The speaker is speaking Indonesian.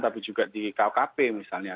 tapi juga di kukp misalnya